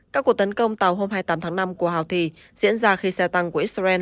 các cuộc tấn công tàu hôm hai mươi tám tháng năm của houthi diễn ra khi xe tăng của israel